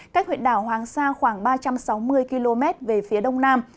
cách huyện đảo hoàng sa khoảng ba trăm sáu mươi km về phía đông nam